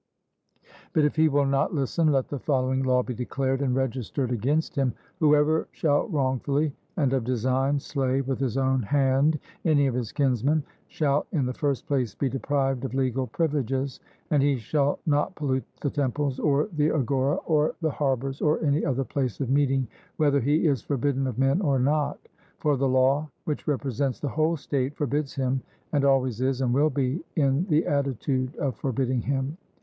But if he will not listen, let the following law be declared and registered against him: Whoever shall wrongfully and of design slay with his own hand any of his kinsmen, shall in the first place be deprived of legal privileges; and he shall not pollute the temples, or the agora, or the harbours, or any other place of meeting, whether he is forbidden of men or not; for the law, which represents the whole state, forbids him, and always is and will be in the attitude of forbidding him.